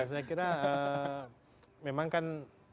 saya kira memang kan